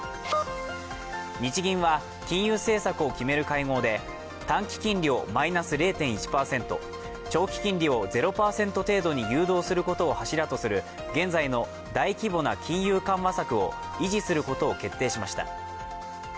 日銀は金融政策を決める会合で短期金利をマイナス０．１％、長期金利を０％程度に誘導することを柱とする現在の大規模な金融緩和策を維持することを決定しました。